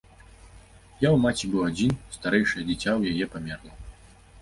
Я ў маці быў адзін, старэйшае дзіця ў яе памерла.